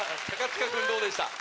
塚君どうでした？